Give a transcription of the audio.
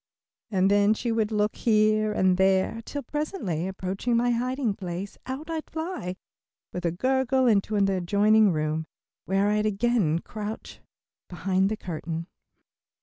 and then she would look here and there, till presently approaching my hiding place, out I'd fly, with a gurgle, into an adjoining room, where I'd again crouch behind the curtain.